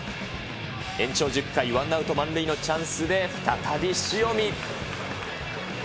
延長１０回、ワンアウト満塁のチャンスで再び塩見。